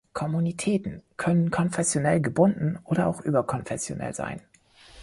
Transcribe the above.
Kommunitäten können konfessionell gebunden oder auch überkonfessionell sein.